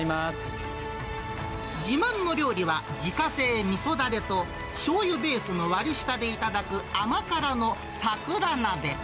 自慢の料理は自家製みそだれと、しょうゆベースの割り下で頂く甘辛の桜なべ。